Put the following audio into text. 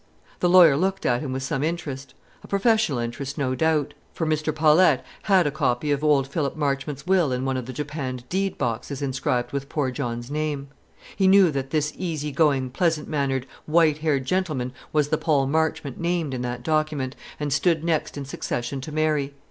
The lawyer looked at him with some interest, a professional interest, no doubt; for Mr. Paulette had a copy of old Philip Marchmont's will in one of the japanned deed boxes inscribed with poor John's name. He knew that this easy going, pleasant mannered, white haired gentleman was the Paul Marchmont named in that document, and stood next in succession to Mary.